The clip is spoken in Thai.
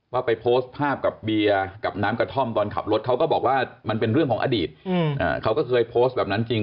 ไปโพสต์ภาพกับเบียร์กับน้ำกระท่อมตอนขับรถเขาก็บอกว่ามันเป็นเรื่องของอดีตเขาก็เคยโพสต์แบบนั้นจริง